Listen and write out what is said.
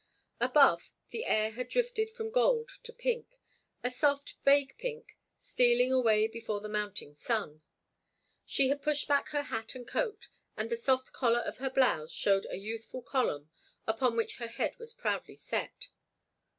Above, the air had drifted from gold to pink—a soft, vague pink, stealing away before the mounting sun. She had pushed back her hat and coat, and the soft collar of her blouse showed a youthful column upon which her head was proudly set.